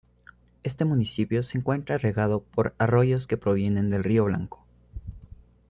Este municipio se encuentra regado por arroyos que provienen del Río Blanco.